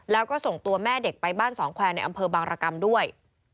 แล้วก็ส่งตัวแม่เด็กไปบ้านสองแควร์ในอำเภอบางรกรรมด้วย